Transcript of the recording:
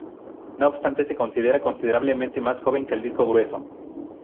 No obstante, se considera considerablemente más joven que el disco grueso.